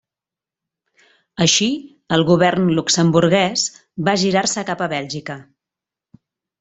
Així, el govern luxemburguès va girar-se cap a Bèlgica.